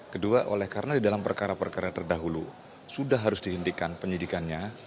kedua oleh karena di dalam perkara perkara terdahulu sudah harus dihentikan penyidikannya